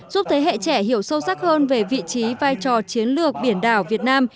giúp thế hệ trẻ hiểu sâu sắc hơn về vị trí vai trò chiến lược biển đảo việt nam